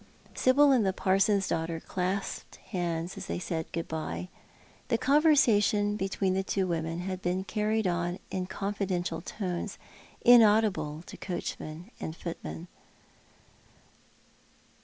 Sibyl and the parson's daughter clasped hands as they said good bye. The conversation between the two women had been carried on in confidential tones, inaudible to coachman and footman.